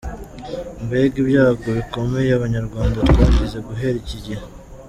Mbega ibyago bikomeye abanyarwanda twagize guhera icyo gihe!